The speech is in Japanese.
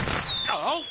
あっ。